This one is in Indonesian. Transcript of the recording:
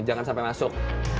jangan sampai masuk